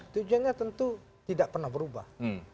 tujuannya tentu tidak pernah berubah